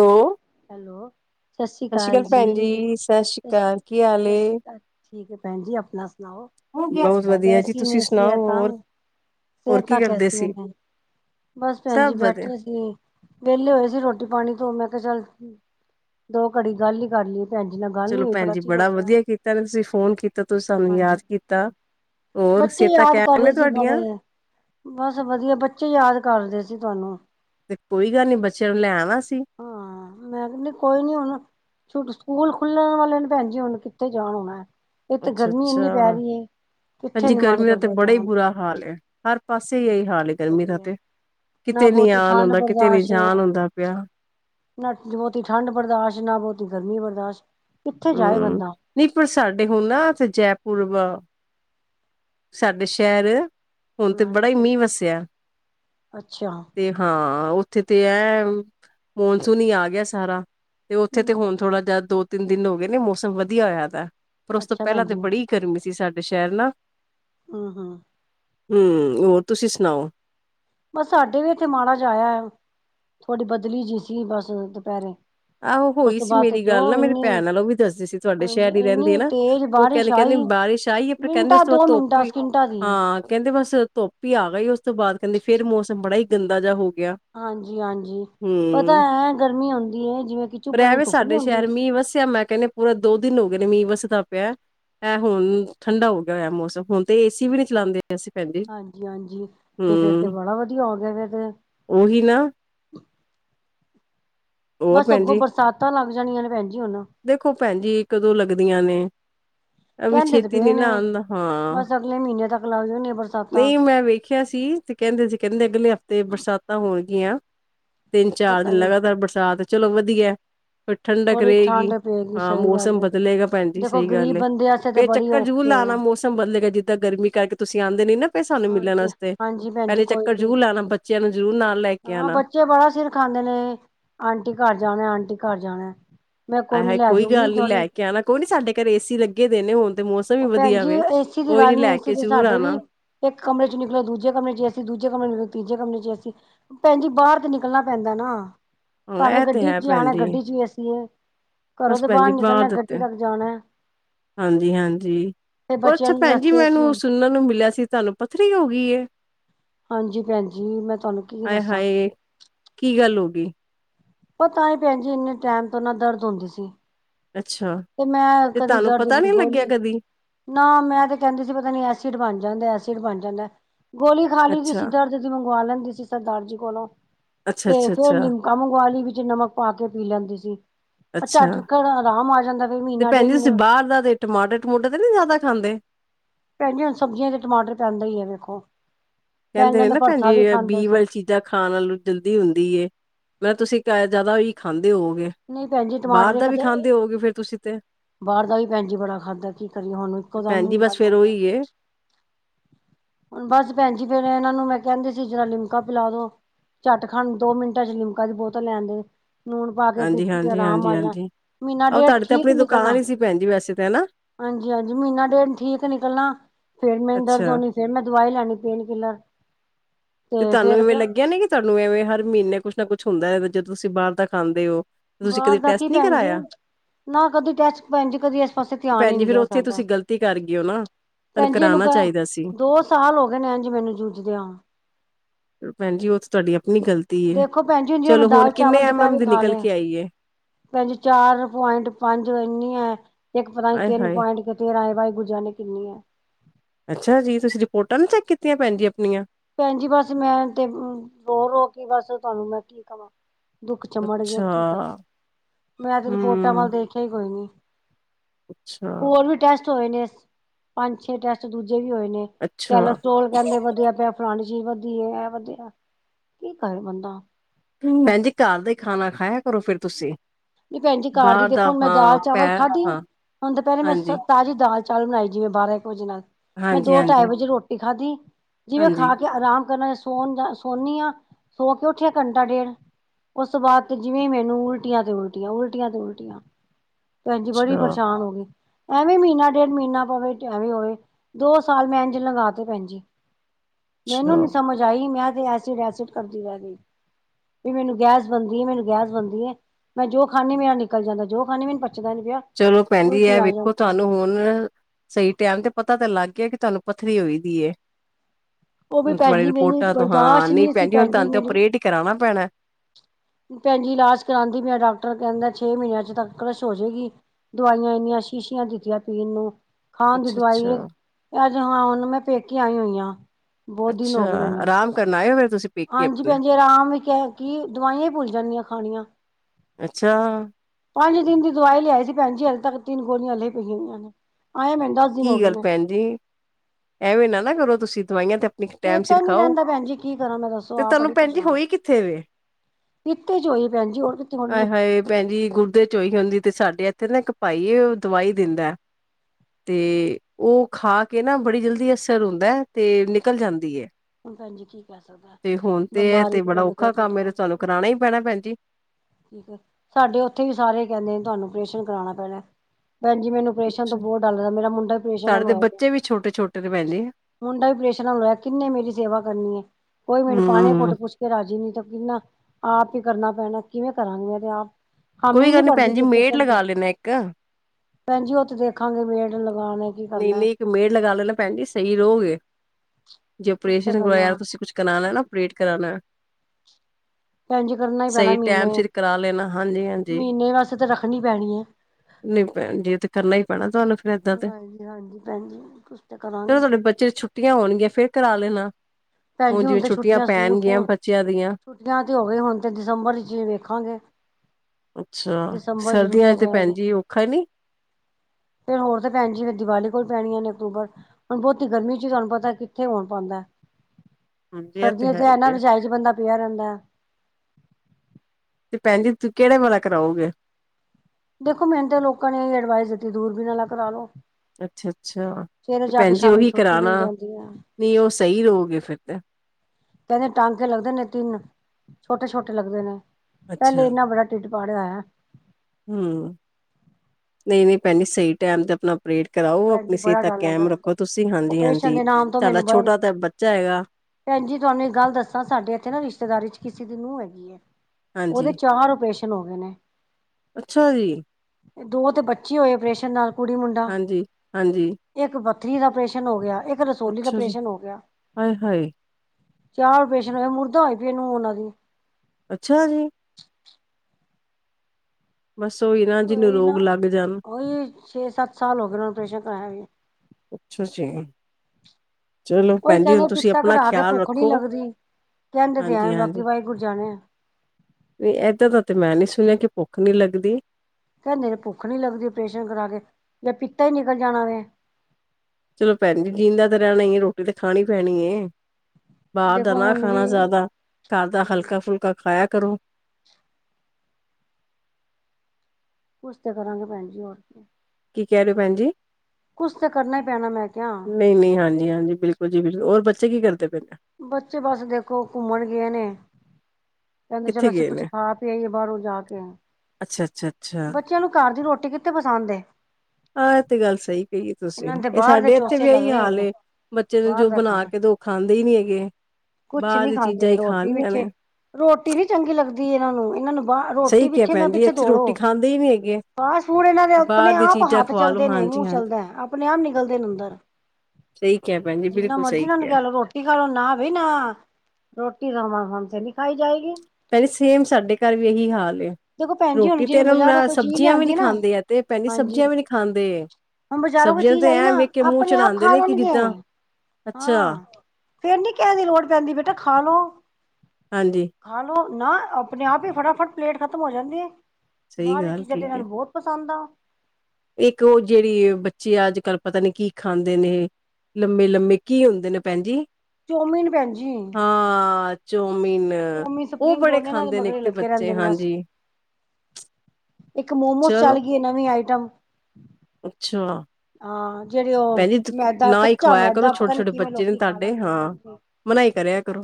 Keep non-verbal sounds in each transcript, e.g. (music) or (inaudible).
Hello hello ਸਤਿ ਸ਼੍ਰੀ ਅਕਾਲ ਭੈਣ ਜੀ, ਸਤਿ ਸ਼੍ਰੀ ਅਕਾਲ ਕੀ ਹਾਲ ਸਤਿ ਏ ਸ਼੍ਰੀ ਅਕਾਲ ਠੀਕ ਹੈ ਭੈਣ ਜੀ ਆਪਣਾ ਸੁਣਾਓ। ਬਹੁਤ ਵਧੀਆ (unintelligible) ਜੀ ਤੁਸੀਂ ਸੁਣਾਓ ਹੋਰ ਹੋਰ ਕੀ ਸਿਹਤਾਂ ਕਰਦੇ ਕੈਸੀਆਂ ਸੀ ਨੇ? ਬਸ ਭੈਣ ਸਭ ਜੀ ਵਧੀਆ ਬੈਠੇ ਸੀ। ਵਿਹਲੇ ਹੋਏ ਸੀ ਰੋਟੀ ਪਾਣੀ ਤੋਂ। ਮੈਂ ਕਿਹਾ ਚੱਲ ਦੋ ਘੜੀ ਗੱਲ ਹੀ ਕਰ ਲੀਏ। ਚਲੋ ਭੈਣ ਜੀ ਬੜਾ ਵਧੀਆ ਕੀਤਾ, ਤੁਸੀਂ ਫੋਨ ਕੀਤਾ ਤੁਸੀਂ ਸਾਨੂੰ ਯਾਦ ਹਾਂਜੀ ਕੀਤਾ। ਹੋਰ ਬੱਚੇ ਸਿਹਤਾਂ ਯਾਦ ਕਰ ਕੈਮ ਰਹੇ ਨੇ ਸੀ ਤੁਹਾਡੀਆਂ ਬੜੇ, ਬਸ ਵਧੀਆ ਬੱਚੇ ਯਾਦ ਕਰਦੇ ਸੀ ਤੁਹਾਨੂੰ‌। ਤੇ ਕੋਈ ਗੱਲ ਨੀ ਬੱਚੇ ਨੂੰ ਲੈ ਆਣਾ ਸੀ ਹਾਂ ਮੈਂ ਕਹਿੰਦੀ ਕੋਈ ਨੀ ਹੁਣ ਸਕੂਲ ਖੁੱਲਣ ਵਾਲੇ ਨੇ ਭੈਣ ਜੀ ਹੁਣ ਕਿੱਥੇ ਜਾ ਹੋਣਾ। ਇੱਕ ਤਾਂ ਅੱਛਾ, ਗਰਮੀ ਇੰਨੀ ਪੈ ਅੱਛਾ ਰਹੀ ਹੈ। ਕਿੱਥੇ ਹਾਂਜੀ ਨੀ ਮਨ ਗਰਮੀ ਦਾ ਤੇ ਕਰਦਾ ਬੜਾ ਹੀ ਜਾਣ ਦਾ ਬੁਰਾ ਹਾਲ ਹੈ ਹਰ ਪਾਸੇ ਆਹੀ ਹਾਲ ਹੀ ਗਰਮੀ ਦਾ ਤੇ, ਨਾ ਕਿਤੇ ਨੀ ਬਹੁਤੀ ਆਉਣ ਠੰਡ ਹੁੰਦਾ, ਕਿਤੇ ਨੀ ਬਰਦਾਸ਼ਤ ਜਾਣ ਹੈ। ਹੁੰਦਾ ਪਿਆ। ਨਾ ਬਹੁਤੀ ਠੰਡ ਬਰਦਾਸ਼ਤ, ਨਾ ਬਹੁਤੀ ਗਰਮੀ ਬਰਦਾਸ਼ਤ। ਕਿੱਥੇ ਜਾਏ ਹੂੰ ਬੰਦਾ ਨਹੀਂ ਪਰ ਸਾਡੇ ਹੁਣ ਨਾ ਉਥੇ ਜੈਪੁਰ ਸਾਡੇ ਸ਼ਹਿਰ। ਹੁਣ ਤੇ ਬੜਾ ਹੀ ਹਾਂਜੀ ਮੀਂਹ ਵਸਿਆ। ਅੱਛਾ ਤੇ ਹਾਂ ਉੱਥੇ ਤੇ ਐ ਮੌਨਸੂਨ ਹੀ ਆ ਗਿਆ ਸਾਰਾ, ਤੇ ਉੱਥੇ ਤੇ ਹੂੰ ਹੁਣ ਥੋੜਾ ਜਿਹਾ (unintelligible) ਤਿੰਨ ਦਿਨ ਹੋ ਗਏ ਨੇ ਮੌਸਮ ਵਧੀਆ ਹੋਇਆ ਦੈ, ਪਰ ਉਸ ਤੋਂ ਅੱਛਾ ਭੈਣ ਪਹਿਲਾਂ ਜੀ ਤਾਂ ਬੜੀ ਗਰਮੀ ਸੀ ਸਾਡੇ ਸ਼ਹਿਰ ਨਾ। ਹੂੰ, ਹੂੰ। ਹੂੰ ਹੋਰ ਤੁਸੀਂ ਸੁਣਾਓ? ਬਸ ਸਾਡੇ ਵੀ ਇੱਥੇ ਮਾੜਾ ਜਿਹਾ ਆਇਆ ਥੋੜ੍ਹੀ ਬਦਲੀ ਜਿਹੀ ਸੀ ਬਸ ਦੁਪਹਿਰੇ। ਆਹੋ ਉਸ ਹੋਈ ਤੋਂ ਸੀ ਬਾਅਦ ਤੇ ਮੇਰੀ ਜੋ ਗੱਲ ਨਾ ਮੇਰੀ ਇੰਨੀ ਭੈਣ ਨਾਲ ਉ ਵੀ ਦੱਸਦੀ ਸੀ ਤੁਹਾਡੇ ਹਾਂਜੀ ਸ਼ਹਿਰ ਹੀ ਰਹਿੰਦੀ ਏ ਇੰਨੀ ਨਾ ਤੇਜ਼ ਉਹ ਬਾਰਿਸ਼ ਕਹਿੰਦੀ ਕਹਿੰਦੀ ਆਈ ਕਿੰ ਬਾਰਿਸ਼ ਆਈ ਹੈ ਪਰ ਕਹਿੰਦੇ ਉਸ ਮਿੰਟਾਂ ਤੋਂ ਬਾਅਦ ਦੋ ਧੁੱਪ ਮਿੰਟਾਂ ਵੀ ਸਕਿੰਟਾਂ ਦੀ ਹਾਂ ਕਹਿੰਦੇ ਬਸ ਧੁੱਪ ਹੀ ਆ ਗਈ ਉਸ ਤੋਂ ਬਾਅਦ ਕਹਿੰਦੀ ਫੇਰ ਮੌਸਮ ਬੜਾ ਹੀ ਗੰਦਾ ਜਿਹਾ ਹੋ ਗਿਆ ਹਾਂਜੀ ਹਾਂਜੀ ਹੂੰ। ਪਤਾ ਐ ਗਰਮੀ ਹੁੰਦੀ ਹੈ ਜਿਵੇਂ ਕਿ ਪਰ ਚੁੱਭਣ ਦੀ ਐਵੇਂ ਧੁੱਪ ਨੀ ਸਾਡੇ ਹੁੰਦੀ ਸ਼ਹਿਰ ਹੈ ਮੀਂਹ ਵਸਿਆ ਮੈਂ ਕਹਿੰਨੇ ਪੂਰਾ ਦੋ ਦਿਨ ਹੋ ਗਏ ਨੇ ਮੀਂਹ ਵਸਦਾ ਪਿਆ ਇਹ ਹੁਣ ਠੰਡਾ ਹੋ ਗਿਆ ਹੋਇਆ ਮੌਸਮ ਹੁਣ ਤੇ ਏਸੀ ਵੀ ਨਹੀਂ ਚਲਾਉਂਦੇ ਅਸੀਂ ਭੈਣ ਜੀ ਹਾਂਜੀ ਹਾਂਜੀ ਤੇ ਫਿਰ ਤੇ ਹੂੰ। ਬੜਾ ਵਧੀਆ ਹੋ ਗਿਆ ਫਿਰ ਤੇ ਉਹੀ ਨਾ ਹ (unintelligible) ਹੋਰ ਭੈਣ ਜੀ ਬਰਸਾਤਾਂ ਲੱਗ ਜਾਣੀਆਂ ਨੇ ਭੈਣ ਜੀ ਹੁਣ ਦੇਖੋ ਭੈਣ ਜੀ ਕਦੋਂ ਲੱਗਦੀਆਂ ਨੇ ਅਭ ਕਹਿੰਦੇ ਤੇ ਛੇਤੀ ਪਏ ਨਹੀਂ ਨੇ ਨਾ ਆਉਂਦਾ ਹਾਂ ਬਸ ਅਗਲੇ ਮਹੀਨੇ ਤੱਕ ਲੱਗ ਜਾਣੀਆਂ ਬਰਸਾਤਾਂ ਨਹੀਂ ਮੈਂ ਵੇਖਿਆ ਸੀ ਤੇ ਕਹਿੰਦੇ ਸੀ ਕਹਿੰਦੇ ਅਗਲੇ ਹਫ਼ਤੇ ਬਰਸਾਤਾਂ ਹੋਣ ਗੀਆਂ ਤਿੰਨ ਚਾਰ ਪਤਾ ਦਿਨ ਨੀ ਲਗਾਤਾਰ ਬਰਸਾਤ ਚਲੋ ਵਧੀਆ ਫਿਰ ਠੰਡਕ ਥੋੜੀ ਰਹੇਗੀ ਠੰਡ ਪਏਗੀ ਹਾਂ ਸਹੀ ਗੱਲ ਮੌਸਮ ਹੈ ਬਦਲੇਗਾ ਭੈਣ ਜੀ ਦੇਖੋ ਸਹੀ ਗ਼ਰੀਬ ਗੱਲ ਬੰਦੇ ਵਾਸਤੇ ਤੇ ਫੇ ਬੜੀ ਚੱਕਰ ਜੂ ਔਖੀ ਹੈ ਭੁਲਾਣਾ ਮੌਸਮ ਬਦਲੇਗਾ ਜਿੱਦਾਂ ਗਰਮੀ ਕਰਕੇ ਤੁਸੀਂ ਆਂ ਹਾਂਜੀ ਹਾਂਜੀ ਭੈਣਜੀ ਕੋਈ ਚੱਕਰ ਨੀ, ਜ਼ਰੂਰ ਲਾਣਾ ਬੱਚਿਆਂ ਨੂੰ ਜ਼ਰੂਰ ਨਾਲ ਲੈ ਕੇ ਹਾਂ ਆਣਾ ਬੱਚੇ ਬੜਾ ਸਿਰ ਖਾਂਦੇ ਕਹਦੇ ਨੇ, ਆਂਟੀ ਘਰ ਜਾਣਾ, ਆਂਟੀ ਘਰ ਜਾਣਾ। ਮੈਂ ਆਏ ਨੀ ਹਾਏ, ਲੈ ਕੋਈ ਜੂੰਗੀ ਗੱਲ ਨੀ ਥੋੜੀ ਲੈ ਕੇ ਆਉਣਾ, ਕੋਈ ਨੀ ਸਾਡੇ ਘਰ ਏ ਸੀ ਲੱਗੇ ਦੇ ਨੇ ਹੁਣ ਤੇ ਮੌਸਮ ਵੀ ਉਹ ਭੈਣ ਵਧੀਆ ਜੀ ਵੇ ਏ ਸੀ ਦੀ ਕੋਈ ਗੱਲ ਨੀ, ਲੈ ਏ ਸੀ ਕੇ ਤੇ ਜ਼ਰੂਰ ਸਾਡੇ ਵੀ ਆਣਾ ਇੱਕ ਕਮਰੇ ਚ ਨਿਕਲੋ, ਦੂਜੇ ਕਮਰੇ ਚ ਏ ਸੀ, ਦੂਜੇ ਕਮਰੇ ਨਿਕਲੋ ਤੀਜੇ ਕਮਰੇ ਚ ਅਸੀਂ ਭੈਣਜੀ ਬਾਹਰ ਤੇ ਨਿਕਲਣਾ ਪੈਂਦਾ ਨਾ ਹਾਂ ਭਾਵੇਂ ਇਹ ਤੇ ਗੱਡੀ ਹੈ ਚ ਭੈਣ ਜਾਣਾ, ਜੀ ਗੱਡੀ ਚ ਵੀ ਏ ਸੀਂ ਐ। ਘਰੋਂ ਬਸ ਤੇ ਭੈਣ ਬਾਹਰ ਜੀ ਨਿਕਲਣਾ, ਗੱਡੀ ਦਿੱਤੇ ਤੱਕ ਜਾਣਾ ਐ। ਜੀ, ਉਹਰ ਅੱਛਾ ਭੈਣ ਜੀ ਮੈਨੂੰ ਸੁਣਨ ਨੂੰ ਮਿਲਿਆ ਸੀ, ਤੁਹਾਨੂੰ ਪੱਥਰੀ ਹੋ ਗਈ ਐ। ਹਾਂਜੀ ਭੈਣ ਜੀ, ਮੈਂ ਤੁਹਾਨੂੰ ਕੀ ਆਏ ਦੱਸਾਂ ਹਾਏ ਕੀ ਗੱਲ ਹੋ ਗਈ? ਪਤਾ ਹੈ ਭੈਣ ਜੀ, ਇੰਨੇ ਟੈਮ ਤੋਂ ਨਾ ਦਰਦ ਹੁੰਦੀ ਸੀ। ਅੱਛਾ ਤੇ ਮੈਂ ਤੇ ਕਦੀ ਤੁਹਾਨੂੰ ਦਰਦ ਪਤਾ ਨੀ ਦੀ ਲੱਗਿਆ ਗੋਲੀ ਕਦੀ? ਨਾ ਮੈਂ ਤੇ ਕਹਿੰਦੀ ਸੀ, ਪਤਾ ਨੀ ਐਸਿਡ ਬਣ ਜਾਂਦਾ, ਐਸਿਡ ਬਣ ਜਾਂਦਾ। ਗੋਲੀ ਖਾ ਲਈ ਦੀ ਸੀ ਅੱਛਾ, ਦਰਦ ਦੀ, ਮੰਗਵਾ ਲੈਂਦੀ ਸੀ ਸਰਦਾਰ ਜੀ ਕੋਲੋਂ। ਅੱਛਾ, ਤੇ ਅੱਛਾ, ਫਿਰ ਅੱਛਾ, ਨਿਮਕਾ ਮੰਗਵਾ ਲੀ, ਵਿੱਚ ਨਮਕ ਪਾ ਕੇ ਪੀ ਲੈਂਦੀ ਸੀ ਪਰ ਝੱਟ ਅੱਛਾ ਕਰ, ਆਰਾਮ ਆ ਜਾਂਦਾ ਫੇਰ ਤੇ ਮਹੀਨਾ ਭੈਣ ਡੇਢ ਜੀ, ਤੁਸੀਂ ਮਹੀਨਾ ਬਾਹਰ ਦਾ ਤੇ ਟਮਾਟਰ ਟਮੂਟਰ ਤੇ ਨਹੀਂ ਜ਼ਿਆਦਾ ਖਾਂਦੇ। ਭੈਣਜੀ ਹੁਣ ਸਬਜ਼ੀਆਂ ਤੇ ਟਮਾਟਰ ਪੈਂਦਾ ਹੀ ਹੈ, ਵੇਖੋ ਕਹਿੰਦੇ ਨੇ ਬੈਂਗਣ ਦਾ ਨਾ ਭੈਣ ਭਰਥਾ ਜੀ, ਵੀ ਖਾਂਦੇ ਬੀ ਸੀ ਵਾਲੀ ਚੀਜ਼ਾਂ ਖਾਣ ਨਾਲੋਂ ਜਲਦੀ ਹੁੰਦੀ। ਮੈਂ, ਤੁਸੀਂ ਜ਼ਿਆਦਾ ਹੀ ਖਾਂਦੇ ਹੋਵਗੇ, ਨਹੀਂ ਭੈਣ ਜੀ ਟਮਾਟਰ ਬਾਹਰ ਦਾ ਇੱਕ ਵੀ ਤੇ ਖਾਂਦੇ ਹੋਗੇ ਫੇਰ ਤੁਸੀਂ ਤੇ। ਬਾਹਰ ਦਾ ਵੀ ਭੈਣ ਜ ਬੜਾ ਖਾਧਾ ਕੀ ਕਰੀਏ, ਹੁਣ ਇਕੋ ਦਮ ਭੈਣ ਜੀ ਮੂੰਹ ਬਸ ਬੰਦ ਹੋ ਫੇਰ ਗਯਾ। ਉਹੀ ਏ, ਹੁਣ ਬਸ ਭੈਣਜੀ ਫਿਰ ਇਹਨਾਂ ਨੂੰ ਮੈਂ ਕਹਿੰਦੀ ਸੀ, ਜ਼ਰਾ ਲਿਮਕਾ ਪਿਲਾ ਦੋ। ਝੱਟ ਖਾਣ, ਦੋ ਮਿੰਟਾਂ ਚ ਲਿਮਕਾ ਦੀ ਬੋਤਲ ਲੈ ਆਂਦੇ, ਲੂਣ ਪਾ ਕੇ ਹਾਂਜੀ, ਪੀਤੀ ਹਾਂਜੀ, ਆਰਾਮ ਹਾਂਜੀ, ਆਯਾ। ਹਾਂਜੀ ਆਹੋ ਤੁਹਾਡੇ ਤੇ ਆਪਣੀ ਦੁਕਾਨ ਹੀ ਸੀ ਭੈਣ ਜੀ, ਵੈਸੇ ਤੇ ਹੈਨਾ। ਹਾਂਜੀ ਹਾਂਜੀ, ਮਮੀਨਾ ਡੇ ਠੀਕ ਨਿਕਲਣਾ ਫੇਰ ਮੈਂਨੂ ਦਰਦ ਅੱਛਾ ਹੋਣੀ, ਫੇਰ ਮੈਂ ਦਵਾਈ ਲੈਣੀ ਪੇਨ ਕਿਲਰ। ਤੇ ਤੁਹਾਨੂੰ ਇਵੇਂ ਲੱਗਿਆ ਨਹੀ, ਕਿ ਤੁਹਾਨੂੰ ਐਵੇਂ ਹਰ ਮਹੀਨੇ ਕੁਛ ਨਾ ਕੁੱਛ ਹੁੰਦਾ ਹੈ ਜਦੋਂ ਤੁਸੀਂ ਬਾਹਰ ਦਾ ਖਾਂਦੇ ਹੋ। ਤੁਸੀਂ ਬਾਹਰ ਕਦੇ ਦਾ ਕੀ ਟੈਸਟ ਨੀ ਭੈਣਜੀ ਕਰਾਇਆ? ਨਾ ਕਦੇ ਟੈਸਟ ਪੈਣ ਜੀ ਕਦੀ ਇਸ ਪਾਸੇ ਧਿਆਨ ਈ ਭੈਣ ਜੀ ਨੀ ਫੇਰ ਗਿਆ ਉੱਥੇ ਸਾਡਾ। ਤੁਸੀਂ ਗ਼ਲਤੀ ਕਰ ਗਏ ਹੋ ਨਾ ਤੁਹਾਨੂੰ ਭੈਣ ਜੀ ਏਨੂੰ ਕਰਾਉਣਾ ਕਔ ਚਾਹੀਦਾ ਸੀ ਦੋ ਸਾਲ ਹੋ ਗਏ ਨੇ ਇੰਝ ਮੈਨੂੰ ਜੂਝਦਿਆਂ। ਭੈਣ ਜੀ ਔ ਤੇ ਤੁਹਾਡੀ ਆਪਣੀ ਗ਼ਲਤੀ ਹੈ ਦੇਖੋ ਭੈਣ ਜੀ, ਹੁਣ ਜਿਵੇੰ ਚਲੋ ਦਾਲ ਕਿੰਨੇ ਚਾਵਲ ਐਮ ਐਮ ਦੁਪਹਿਰੇ ਦੀ ਖਾ ਨਿਕਲ ਲਏ ਕੇ ਆਈ ਹੈ ਭੈਣ ਜੀ ਚਾਰ ਪੁਆਇੰਟ ਪੰਜ, ਇੰਨੀ ਹੈ ਇੱਕ ਪਤਾ ਨੀ ਆਏ ਤਿੰਨ ਹਾਏ ਪੁਆਇੰਟ ਕੇ ਤੇਰਾਹ ਐ, ਵਾਹਿਗੁਰੂ ਜਾਣੇ ਕਿੰਨੀ ਐ। ਅੱਛਾ ਜੀ ਤੁਸੀਂ ਰਿਪੋਰਟਾਂ ਨੀ ਚੈੱਕ ਕੀਤੀਆਂ, ਭੈਣਜੀ ਆਪਣੀਆਂ। ਭੈਣਜੀ ਬਸ ਮੈਂ ਤੇ ਰੋ ਰੋ ਕੇ ਬਸ, ਤੁਹਾਨੂੰ ਮੈਂ ਕੀ ਕਵਾਂ ਦੁੱਖ ਚਮੜ ਗਿਆ ਅੱਛਾ ਕੀ ਕਰਾ, ਮੈਂ ਤੇ ਰਿਪੋਰਟਾਂ ਹਮ ਵੱਲ ਦੇਖਿਆ ਹੀ ਕੋਈ ਨੀ। ਅੱਛਾ ਹੋਰ ਵੀ ਟੈਸਟ ਹੋਏ ਨੇ, ਪੰਜ ਛੇ ਟੈਸਟ ਦੂਜੇ ਵੀ ਹੋਏ ਨੇ, ਅੱਛਾ ਕੈਲੋਸਟੋਲ ਕਹਿੰਦੇ ਵਦੇ ਪ ਖੰਡ ਜੀ ਵਧੀ ਐ, ਐ ਵਧੀਆ, ਕੀ ਕਰੇ ਬੰਦਾ। ਭੈਣਜੀ ਘਰ ਦਾ ਹੀ ਖਾਣਾ ਖਾਇਆ ਕਰੋ, ਫਿਰ ਤੁਸੀਂ। ਨਹੀਂ ਭੈਣ ਜੀ ਘਰ ਦੀ ਬਾਹਰ ਦੇਖੋ ਦਾ ਹੁਣ ਮੈਂ ਦਾਲ ਹਾਂ ਪੈ ਚਾਵਲ ਖਾਧੀ ਏ, ਹਾਂ ਹੁਣ ਤਾਂ ਦੁਪਹਿਰੇ ਮੈਂ ਸ ਹਾਂਜੀ ਤਾਜ਼ੀ ਦਾਲ ਚਲ ਬਣਾਈ ਜਿਵੇਂ ਬਾਰਾਂ ਇੱਕ ਵਜੇ ਨਾਲ, ਮੈਂ ਹਾਂਜੀ ਦੋ ਢਾਈ ਹਾਂਜੀ ਵਜੇ ਰੋਟੀ ਖਾਧੀ ਜਿਵੇਂ ਹਾਂਜੀ ਖਾ ਕੇ ਆਰਾਮ ਕਰਨਾ ਸੋ ਜਾ, ਸੋਨੀ ਹਾਂ ਸੋ ਕੇ ਉੱਠਿਆ ਘੰਟਾ ਡੇਢ ਉਸ ਤੋ ਬਾਅਦ, ਤੇ ਜਿਵੇਂ ਮੈਨੂੰ ਉਲਟੀਆਂ ਤੇ ਉਲਟ ਉਟ ਉਲਟੀਆਂ ਤੇ ਉਲਟੀਆਂ, ਭੈਣ ਜੀ ਬੜੀ ਅੱਛਾ ਪਰੇਸ਼ਾਨ ਹੋ ਗਈ ਐਵੇਂ ਮਹੀਨਾ ਡੇਢ ਮਹੀਨਾ ਪਵੇ ਤੇ ਐਵੇਂ ਹੀ ਹੋਵੇ, ਦੋ ਸਾਲ ਮੈਂ ਇੰਝ ਲੰਗਾ ਤੇ ਭੈਣ ਜੀ। ਮੈਨੂੰ ਅੱਛਾ ਨੀ ਸਮਝ ਆਈ, ਮੈਂ ਫ਼ਿਰ ਐਸਿਡ, ਐਸਿਡ ਕਰਦੀ ਰੈ ਗਈ, ਵੀ ਮੈਨੂੰ ਗੈਸ ਬਣਦੀ ਏ, ਮੈਨੂੰ ਗੈਸ ਬਣਦੀ ਏ ਮੈਂ ਜੋ ਖਾਨੀ ਮੇਰਾ ਨਿਕਲ ਜਾਂਦਾ, ਜੋ ਖਾਣੀ ਮੈਨੂੰ ਪਚ ਚਲੋ ਭੈਣ ਜੀ ਐ ਵੇਖੋ ਹੈ। ਤੁਆਨੂੰ ਹੁਣ ਸਈ ਟੈਮ ਤੇ ਪਤਾ ਤੇ ਲੱਗ ਕੇ ਇੱਕ ਤੁਆਨੂੰ ਪੱਥਰੀ ਹੋਈ ਦੀ ਏ ਉਹ ਵੀ ਹੁਣ ਭੈਣ ਤੁਆਡੀ ਜੀ ਮੇਰੀ ਰਿਪੋਰਟਾਂ ਤੋਂ ਹਾਂ ਬਰਦਾਸ਼ਤ ਨੀ ਨਹੀਂ ਸੀ ਭੈਣ ਜੀ ਹੁਣ ਤਹਾਨ ਤੇ ਮੇਰੀ ਔਪਰੇਟ ਹੀ ਕਰਾਣਾ ਪੈਣੈ। ਭੈਣ ਜੀ ਇਲਾਜ ਕਰਾਂਦੀ ਪੀ ਆਂ। ਡਾਕਟਰ ਕਹਿੰਦੈ ਛੇ ਮਹੀਨਿਆਂ ਚ ਤੱਕ ਕ੍ਰਸ਼ ਹੋ ਜੇਗੀ। ਦਵਾਈਆਂ ਇੰਨੀਆਂ ਸ਼ੀਸ਼ੀਆਂ ਦਿੱਤੀਆਂ ਪੀਣ ਨੂੰ, ਖਾਣ ਦੀ ਅੱਛਾ ਦਵਾਈ ਏ, ਅੱਛਾ ਅੱਜ ਹਾਂ ਹੁਣ ਮੈਂ ਪੇਕੇ ਆਈ ਹੋਈ ਆਂ। ਅੱਛਾ, ਆਰਾਮ ਕਰਨ ਆਏ ਔ ਫੇਰ। ਹਾਂਜੀ ਭੈਣ ਜੀ ਅਰਾਮ ਈ ਕਯਾ ਐ ਕਿ ਦਵਾਈਆਂ ਈ ਭੁੱਲ ਜਾਂਨੀ ਆਂ ਖਾਣੀਆਂ। ਅੱਛਾ! ਪੰਜ ਦਿਨ ਦੀ ਦਵਾਈ ਲਿਆਈ ਸੀ ਪੈਂਜੀ ਹਜੇ ਤੱਕ ਤਿੰਨ ਗੋਲੀਆਂ ਹੱਲੇ ਵੀ ਪਈਆਂ ਹੋਈਆਂ ਨੇ। ਆਏ ਮੈਨੂੰ ਦਸ ਦਿਨ ਹੋ ਕੀ ਗਏ ਗੱਲ ਨੇ ਭੈਣ ਜੀ, ਐਵੇਂ ਨਾ-ਨਾ ਕਰੋ ਤੁਸੀ ਦਵਾਈਆਂ ਤੇ ਆਪਣੀ ਟੈਮ ਸਿਰ ਚੇਤਾ ਨੀ ਖਾਔ ਰਹਿੰਦਾ ਭੈਣ ਜੀ ਕੀ ਕਰਾਂ ਮੈਂ ਦੱਸੋ ਤੇ ਆਪ ਤਾਨੂੰ ਬੜੀ ਭੈਣ ਜੀ ਪਰੇਸ਼ਾਨ ਹੋਈ ਕਿੱਥੇ ਵੇ? ਪਿੱਤੇ ਚ ਹੋਈ ਭੈਣ ਜੀ ਹੋਰ ਕਿੱਥੇ ਹੋਣੀ ਆਏ ਹੈ ਹਾਏ ਭੈਣਜੀ ਗੁਰਦੇ ਚ ਹੋਈ ਹੁੰਦੀ ਤੇ ਸਾਡੇ ਇੱ ਤੇ ਨਾ ਇੱਕ ਭਾਈ ਏ ਔ ਦਵਾਈ ਦੇਂਦੈ। ਤੇ ਉਹ ਖਾ ਕੇ ਨਾ ਬੜੀ ਜਲਦੀ ਅਸਰ ਹੁੰਦੈ ਤੇ ਨਿਕਲ ਜਾਂਦੀ ਏ ਹੁਣ ਪੈਣ ਜੀ ਕੀ ਕਰਾ? ਤੇ ਹੁਣ ਤੇ ਇਹ ਤੇ ਬੜਾ ਔਖਾ ਕੰਮ ਏ, ਮੇਰੇ ਫਟਿਆ ਸਾਨੂੰ ਕਰਾਨਾ ਈ ਪੈਣੈ ਭੈਣ ਜੀ। ਠੀਕ ਐ ਸਾਡੇ ਉੱਥੇ ਵੀ ਸਾਰੇ ਏਈ ਕੈਂਦੇ ਨੇ ਤੁਆਨੂੰ ਔਪਰੇਸ਼ਨ ਕਰਾਣਾ ਪੈਣੈ। ਭੈਣ ਜੀ ਮੈਨੂੰ ਔਪਰੇਸ਼ਨ ਤੋਂ ਅੱਛਾ ਬੋਤ ਡਰ ਲਗਦਾ ਮੇਰਾ ਮੁੰਡਾ ਔਪਰੇਸ਼ਨ ਨਾਲ ਸਾਡੇ ਤੇ ਹੋਇਆ ਦੈ। ਬੱਚੇ ਵੀ ਛੋਟੇ ਛੋਟੇ ਤੇ ਪੈਂਜੀ ਮੁੰਡਾ ਵੀ ਪ੍ਰੇਸ਼ਨ ਨਾਲ ਹੋਇਐ। ਕਿੰਨੇ ਮੇਰੀ ਸੇਵਾ ਕਰਨੀ ਏ। ਕੋਈ ਮੈਨੂੰ ਪਾਨੀ ਘੁੱਟ ਹੂੰ, ਪੁੱਛ ਕੇ ਰਾਜੀ ਨੀ ਤੇ ਕਿੰਨਾ ਆਪ ਈ ਕਰਨਾ ਪੈਣੈ। ਕਿਵੇਂ ਕਰਾਂਗੇ ਮੈਂ ਤੇ ਆਪ ਕੋਈ ਹਾਂਮੀ ਨੀ ਗੱਲ ਭਰਦੀ ਭੈਣ ਜੀ ਪੀ ਮੇਡ ਔਪਰੇਸ਼ਨ ਤੇ, ਲਗਾ ਲੈਣਾ ਇੱਕ। ਭੈਣ ਜੀ ਔ ਤੇ ਦੇਖਾਂਗੇ ਫੇਰ ਨਈ-ਨਈ ਇੱਕ ਮੇਡ ਲਗਾ ਲੈਣਾ ਪੈਣ ਜੀ ਸਈ ਰੋਗੇ। ਜੇ ਕੁਛ ਔਪਰੇਸ਼ਨ ਤੇ ਕਰਨਾ ਕਰਵਾਇਆ ਤੁਸੀ ਕੁਛ ਕਰਾਨੈ ਨਾ ਔਪਰੇਟ ਕਰਾਨੈ ਭੈਣ ਜੀ ਕਰਨਾ ਹੀ ਪੈਣਾ ਸਈ ਟੈਮ ਮਹੀਨੇ ਸਿਰ ਕਰਾ ਲੈਣਾ, ਹਾਂਜੀ-ਹਾਂਜੀ। ਮਹੀਨੇ ਵਾਸਤੇ ਤਾਂ ਰੱਖਣੀ ਪੈਣੀ ਹੈ। ਨਈ ਭੈਣ ਜੀ ਐ ਤੇ ਕਰਨਾ ਈ ਪੈਣਾ ਤੁਆਨੂੰ ਫੇਰ ਏਦਾਂ ਤੇ। ਹਾਂਜੀ ਹਾਂਜੀ ਭੈਣ ਜੀ ਕੁਛ ਤੇ ਜਦੋਂ ਕਰਾਂਗੇ ਤੁਆਡੇ ਕੀ ਬੱਚੇ ਦੇ ਕਰਨਾ ਛੁੱਟੀਆਂ ਹੋਣਗੀਆਂ ਫਿਰ ਕਰਾ ਲੈਣਾ। ਭੈਣਜੀ ਹੁਣ ਹੁੰਣ ਜਿਵੇਂ ਤੇ ਛੁੱਟੀਆਂ ਸਕੂਲ ਪੈਣਗੀਆਂ ਖੁਲ ਬੱਚਿਆਂ ਦੀਆਂ। ਛੁੱਟੀਆਂ ਤੇ ਹੋ ਗਏ ਹੁਣ ਤੇ ਦਸੰਬਰ ਇੱਚ ਈ ਵੇਖਾਂਗੇ। ਅੱਛਾ ਸਰਦੀਆਂ ਚ ਤੇ ਭੈਣ ਜੀ ਔਖਾ ਨੀ, ਤੇ ਹੋਰ ਤੇ ਪੈਣ ਜਿਵੇਂ ਦੀਵਾਲੀ ਕੋਲ ਪੈਣ ਗਿਆਂ ਨੇ ਅਕਤੂਬਰ, ਹੁਣ ਬਹੁਤੀ ਗਰਮੀ ਚ ਤੁਆਨੂੰ ਪਤੈ ਕਿੱਥੇ ਹੋ ਪਾਂਦੈ। ਹਾਂਜੀ ਇਹ ਤੇ ਸਰਦੀਆਂ 'ਚ ਹੈ ਹੀ ਨਾ ਰਜਾਈ ਚ ਬੰਦਾ ਪਿਆ ਰਹਿੰਦੈ ਤੇ ਭੈਣ ਜੀ ਤ ਕੇੜੇ ਵਾਲਾ ਕਰਾਔਗੇ? ਦੇਖੋ ਮੇਂਨ ਤੇ ਲੋਕਾਂ ਨੇ ਇਹੀ ਐਡਵਾਈਸ ਦਿੱਤੀ ਦੂਰਬੀਨ ਆਲਾ ਕਰਾ ਲੋ। ਅੱਛਾ-ਅੱਛਾ ਸਵੇਰੇ ਤੇ ਜਾ ਕੇ ਭੈਣ ਜੀ ਸ਼ਾਮੀ ਔਹੀ ਛੁੱਟੀ ਕਰਾਨਾ ਮਿਲ ਜਾਂਦੀ ਹੈ ਵੀ ਔ ਸਈ ਰੋਗੇ ਫਿਰ। ਦੈ ਕਹਿੰਦੇ ਟਾਂਕੇ ਲੱਗਦੇ ਨੇ ਤਿੰਨ, ਛੋਟੇ-ਛੋਟੇ ਲੱਗਦੇ ਨੇ। ਪੈਲੇ ਅੱਛਾ ਇੰਨਾ ਵੱਡਾ ਟਿੱਡ ਫਾੜਿਐ। ਹੂੰ, ਨਈ-ਨਈ ਪੈਂਜੀ ਸਈ ਟੈਮ ਤੇ ਆਪਣਾ ਔਪਰੇਟ ਕਰਾਔ, ਭੈਣ ਆਪਣੀ ਜੀ ਬੜਾ ਸੇਤਾਂ ਡਰ ਲੱਗਦਾ ਕੈਮ ਮੈਨੂੰ ਤੇ ਰੱਖੋ ਤੁਸੀ, ਓਪਰੇਸ਼ਨ ਹਾਂਜੀ-ਹਾਂਜੀ। ਦੇ ਨਾਮ ਤੋਂ ਤੁਆਡਾ ਮੈਨੂੰ ਬੜਾ ਛੋਟਾ ਤਾਂ ਬੱਚਾ ਹੈਗਾ। ਭੈਣ ਜੀ ਤੁਆਨੂੰ ਇੱਕ ਗੱਲ ਦੱਸਾਂ ਸਾਡੇ ਇੱਥੇ ਨਾ ਰਿਸ਼ਤੇਦਾਰੀ 'ਚ ਕਿਸੀ ਦੀ ਨੂੰ ਹੈਗੀ ਹਾਂਜੀ ਔਦੇ ਚਾਰ ਔਪਰੇਸ਼ਨ ਹੋ ਗਏ ਨੇ ਅੱਛਾ ਜੀ! ਦੋ ਤੇ ਬੱਚੀ ਹੋਏ ਆਪਰੇਸ਼ਨ ਨਾਲ, ਕੁੜੀ ਮੁੰਡਾ। ਹਾਂਜੀ। ਹਾਂਜੀ। ਇੱਕ ਪੱਥਰੀ ਦਾ ਅਪਰੇਸ਼ਨ ਹੋ ਗਿਆ, ਇੱਕ ਰਸੋਲੀ ਦਾ ਅੱਛਾ ਜੀ ਅਪਰੇਸ਼ਨ ਹੋ ਗਿਆ ਹਾਏ ਹਾਏ ਚਾਰ ਔਪੇਸ਼ਨ ਹੋਏ ਮੁ ਅੱਛਾ ਜੀ। (unintelligible) ਬਸ ਨਾ ਜਿਹਨੂੰ ਉਹੀ ਨਾ ਰੋਗ ਲੱਗ ਜਾਣ ਉਹੀ ਛੇ ਸੱਤ ਸਾਲ ਹੋ ਗਏ ਮੈਂ ਔਪਰੇਸ਼ਨ ਕਰਾਇਆ ਸੀ। ਉਛ ਚੀ ਚਲੋ ਉਹੀ ਭੈਣ ਜੀ ਹੁਣ ਕਹਿੰਦੇ ਤੁਸੀਂ ਪਿੱਤਾ ਆਪਣਾ ਕਢਾ ਕੇ ਖਿਆਲ ਭੁੱਖ ਨੀ ਰੱਖੋ, ਲੱਗਦੀ ਕਹਿੰਦੇ ਤੇ ਐ ਹਾਂਜੀ-ਹਾਂਜੀ ਬਾਕੀ ਵਾਹਿਗੁਰ ਜਾਨੇ ਆ। ਨਹੀਂ ਏਦਾਂ ਦਾ ਤੇ ਮੈਂ ਨੀ ਸੁਣਿਆ ਕਿ ਭੁੱਖ ਨੀ ਲੱਗਦੀ। ਕਹਿੰਦੇ ਨੇ ਭੁੱਖ ਨੀ ਲੱਗਦੀ ਔਪਰੇਸ਼ਨ ਕਰਾ ਕੇ ਜਾਦ ਪੀਤਾ ਹੀ ਨਿਕਲ ਜਾਣਾ ਵੇ ਚਲੋ ਭੈਣ ਜੀ ਜੀਂਦਾ ਤਾਂ ਰਹਿਣਾ ਹੀ ਹੈ ਰੋਟੀ ਤਾਂ ਖਾਣੀ ਪੈਣੀ ਐ ਬਾਹਰ ਦਾ ਦੇਖੋ ਨਾ ਹੁਣ ਵੀ ਖਾਣਾ ਜ਼ਿਆਦਾ ਘਰ ਦਾ ਹਲਕਾ ਫੁਲਕਾ ਖਾਇਆ ਕਰੋ, ਕੁਛ ਤੇ ਕਰਾਂਗੇ ਭੈਣ ਜੀ ਹੋਰ ਕੀ, ਕੀ ਕਹਿ ਰਹੇ ਹੋ ਭੈਣ ਜੀ, ਕਰਨਾ ਹੀ ਪੈਣਾ ਮੈਂ ਕਿਹਾ ਨਹੀਂ-ਨਹੀਂ, ਹਾਂਜੀ-ਹਾਂਜੀ ਬਿਲਕੁਲ ਜੀ ਬਿਲਕੁਲ ਹੋਰ ਬੱਚੇ ਕੀ ਕਰਦੇ ਨੇ, ਬੱਚੇ ਬਸ ਦੇਖੋ ਘੁੰਮਣ ਗਏ ਨੇ ਕਹਿੰਦੇ ਕਿੱਥੇ ਚਲੋ ਅਸੀਂ ਗਏ ਕੁਛ ਨੇ? ਖਾ ਆਈਏ ਬਾਹਰੋਂ ਜਾ ਕੇ ਅੱਛਾ-ਅੱਛਾ-ਅੱਛਾ, ਬੱਚਿਆਂ ਨੂੰ ਘਰ ਦੀ ਰੋਟੀ ਰੋਟੀ ਕਿੱਥੇ ਪਸੰਦ ਏ, ਹਾਂ ਇਹ ਤੇ ਗੱਲ ਸਹੀ, ਕਹੀਏ ਤੁਸੀਂ ਇਹਨਾਂ ਦੇ ਇਹ ਬਾਹਰ ਦੇ ਸਾਡੇ ਇੱਥੇ ਚੋਸੇ ਵੀ ਇਹੀ ਲੱਗਣੇ ਹਾਲ ਹੋਣੇ ਏ ਬੱਚੇ ਨੂੰ ਬਾਹਰ ਜੋ ਦਾ ਬਣਾ ਖਾਣਾ ਕੇ ਦੋ ਖਾਂਦੇ ਹੀ ਨੀ ਹੈਗੇ, ਕੁਛ ਬਾਹਰ ਨੀ ਦੀ ਚੀਜ਼ਾਂ ਖਾਂਦੇ ਹੀ ਰੋਟੀ ਖਾਣੀਆਂ ਪਛੇ ਨੇ। ਰੋਟੀ ਨੀ ਚੰਗੀ ਲੱਗਦੀ ਇਹਨਾਂ ਨੂੰ ਇਹਨਾਂ ਨੂੰ ਵਾਹ ਰੋਟੀ ਸਹੀ ਕਿਹਾ ਪਿੱਛੇ ਨਾ ਭੈਣ ਜੀ ਪਿੱਛੇ ਇੱਥੇ ਦੌੜੋ ਰੋਟੀ ਖਾਂਦੇ ਹੀ ਨੀ ਹੈਗੇ, ਫਾਸਟ ਫੂਡ ਇਹਨਾਂ ਦੇ ਆਪਣੇ ਬਾਹਰ ਦੀ ਆਪ ਚੀਜ਼ਾਂ ਹੱਥ ਖਵਾ ਲੋ ਚਲਦੇ ਨੇ ਮੂੰਹ ਹਾਂਜੀ-ਹਾਂਜੀ। ਚੱਲਦਾ। ਆਪਣੇ ਨਿਕਲਦੇ ਨੇ ਅੰਦਰ ਸਹੀ ਕਿਹਾ ਭੈਣ ਜੀ, ਜਿੰਨਾ ਬਿਲਕੁਲ ਮਰਜੀ ਸਹੀ ਨਾਲ ਨੂੰ ਕਿਹਾ, ਕਹਿ ਲੋ ਰੋਟੀ ਖਾਲ ਲੋ ਨਾ ਬਈ ਨਾ ਰੋਟੀ ਤਾਂ ਹਮਾਂ ਹਮੇ ਤੇ ਨੀ ਖਾਈ ਜਾਏਗੀ। ਪਹਿਲੇ ਸੇਮ ਸਾਡੇ ਘਰ ਵੀ ਇਹੀ ਹਾਲ ਦੇਖੋ ਭੈਣ ਜੀ ਹੁਣ ਰੋਟੀ ਤੇ ਜਿਵੇਂ ਇਹਨਾਂ ਬਾਜ਼ਾਰੋਂ ਨੂੰ ਕੋਈ ਚੀਜ਼ ਸਬਜ਼ੀਆਂ ਵੀ ਨੀ ਲਿਆਂਦੀ ਨਾ ਖਾਂਦੇ ਐ ਤੇ ਹਾਂਜੀ ਸਬਜ਼ੀਆਂ ਵੀ ਨੀ ਖਾਂਦੇ। ਹੁਣ ਬਾਜ਼ਾਰੋਂ ਕੋਈ ਸਬਜ਼ੀਆਂ ਚੀਜ਼ ਤੇ ਆਈ ਐਂ ਨਾ ਵੇਖ ਕੇ ਮੂੰਹ ਆਪਣੇ ਆਪ ਚੜਾਦੇ ਖਾ ਨੇ ਕਿ ਜਿੱਦਾਂ ਲੈਣਗੇ ਅੱਛਾ, ਹਾਂ, ਫੇਰ ਨੀ ਕਿਸਹਿ ਦੀ ਲੋੜ ਪੈਂਦੀ ਬੇਟਾ ਖਾ ਲਓ ਹਾਂਜੀ। ਨਾ, ਆਪਣੇ- ਆਪ ਹੀ, ਫਟਾਫਟ ਪਲੇਟ ਖ਼ਤਮ ਹੋ ਜਾਂਦੀ ਹੈ ਸਹੀ ਬਾਹਰ ਦੀ ਗੱਲ ਚੀਜ਼ਾਂ ਤੇ ਠੀਕ ਇਹਨਾਂ ਹੈ ਨੂੰ ਬਹੁਤ ਪਸੰਦ ਆ ਇੱਕ ਉਹ ਜਿਹੜੀ, ਬੱਚੇ ਅੱਜ ਕੱਲ ਪਤਾ ਨੀ ਕੀ ਖਾਂਦੇ ਨੇ ਲੰਮੇ-ਲੰਮੇ ਕੀ ਹੁੰਦੇ ਨੇ ਭੈਣ ਜੀ, ਚੌਮੀਨ ਭੈਣਜੀ, ਹਾਂ ਉਹ ਬੜੇ ਰੋਲ ਇਹਨਾਂ ਦੇ ਖਾਂਦੇ ਨੇ ਇੱਕ ਮਗਰੇ ਤੇ ਲੱਗੇ ਬੱਚੇ ਰਹਿੰਦੇ ਨੇ ਬਸ ਹਾਂਜੀ, ਇੱਕ ਮੋਮੋਸ ਚਲੋ ਚੱਲ ਗਈਏ ਨਵੀਂ ਆਈਟਮ ਅੱਛਾ, ਹਾਂ ਜਿਹੜੇ ਉਹ ਭੈਣਜੀ ਮੈਦਾ ਨਾ ਹੀ ਕੱਚਾ ਖਵਾਇਆ ਕਰੋ ਮੈਦਾ ਪਤਾ ਨੀ ਛੋਟੇ-ਛੋਟੇ ਕਿਵੇਂ ਬੱਚੇ ਨੇ ਲੋਕੀ ਖਾ ਤੁਹਾਡੇ ਲੈਂਦੇ ਨੇ ਹਾਂ ਮਨਾ ਈ ਕਰਿਆ ਕਰੋ।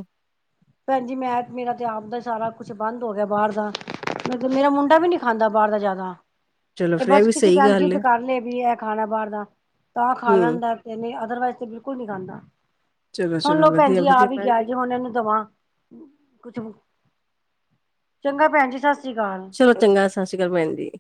ਭੈਣਜੀ ਮੈਂ ਮੇਰਾ ਤੇ ਆਪਦਾ ਸਾਰਾ ਕੁੱਛ ਬੰਦ ਹੋ ਗਿਆ ਬਾਹਰ ਦਾ ਮਤਲਬ ਮੇਰਾ ਮੁੰਡਾ ਵੀ ਨੀ ਖਾਂਦਾ ਬਾਹਰ ਦਾ ਜ਼ਿਆਦਾ ਚਲੋ ਇਹ ਫਿਰ ਬਸ ਵੀ ਕਿਸੇ ਸਹੀ ਟਾਈਮ ਗੱਲ ਜਿੱਦ ਹੈ ਕਰ ਲਏ ਵੀ ਇਹ ਖਾਣਾ ਬਾਹਰ ਦਾ ਤਾਂ ਖਾ ਹਮ ਲੈੈਂਦਾ, ਅਦਰਵਾਈਜ਼ ਤੇ ਬਿਲਕੁਲ ਨੀ ਖਾਂਦਾ। ਚਲੋ ਹੁਣ ਲੋ ਚਲੋ ਭੈਣ ਵਧੀਆ ਜੀ ਆ ਵਧੀਆ ਵੀ ਭੈਣ ਗਿਆ ਜੀ ਜੇ ਹੁਣ ਇਹਨੂੰ ਦਵਾਂ ਕੁਛ ਚੰਗਾ ਭੈਣ ਜੀ ਸਾ ਚਲੋ ਚੰਗਾ, ਸਤਿ ਸ੍ਰੀ ਅਕਾਲ ਭੈਣ ਜੀ।